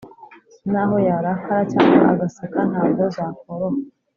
naho yarakara cyangwa agaseka ntabwo zakoroha